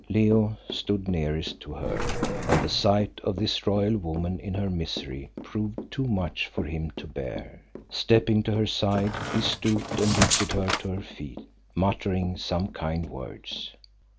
Leo stood nearest to her, and the sight of this royal woman in her misery proved too much for him to bear. Stepping to her side he stooped and lifted her to her feet, muttering some kind words.